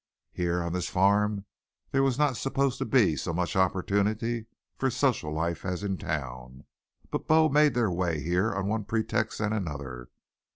Here on this farm there was not supposed to be so much opportunity for social life as in town, but beaux made their way here on one pretext and another.